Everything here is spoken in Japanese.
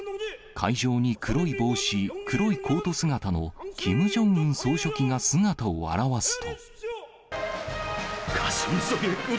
会場に黒い帽子、黒いコート姿のキム・ジョンウン総書記が姿を現すと。